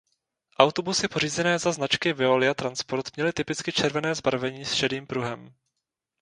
Autobusy pořízené za značky Veolia Transport měly typicky červené zbarvení s šedým pruhem.